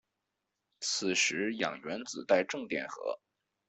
此时氧原子带正电荷。